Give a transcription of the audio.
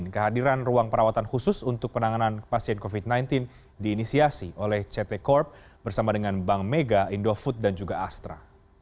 kehadiran ruang perawatan khusus untuk penanganan pasien covid sembilan belas diinisiasi oleh ct corp bersama dengan bank mega indofood dan juga astra